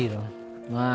nah moody dan juga keras